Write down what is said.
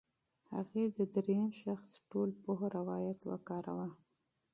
هغې د درېیم شخص ټولپوه روایت وکاراوه.